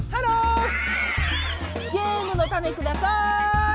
ゲームのタネください！